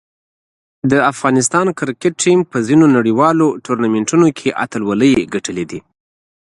د افغانستان کرکټ ټیم په ځینو نړیوالو ټورنمنټونو کې اتلولۍ وګټلې دي.